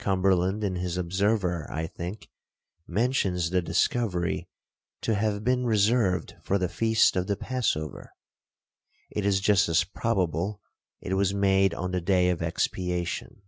Cumberland in his Observer, I think, mentions the discovery to have been reserved for the feast of the Passover. It is just as probable it was made on the day of expiation.